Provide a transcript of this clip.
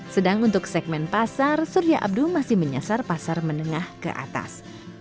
sedang untuk segmen pasar surya abdul masih menyasar pasar menengah ke atas